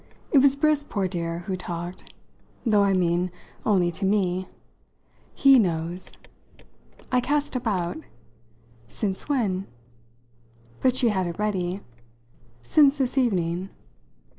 It was Briss, poor dear, who talked though, I mean, only to me. He knows." I cast about. "Since when?" But she had it ready. "Since this evening."